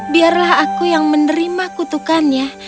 biarlah aku yang menerima kutukannya